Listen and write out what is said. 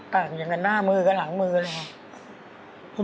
ต่างอย่างกับหน้ามือกับหลังมือกันแหละ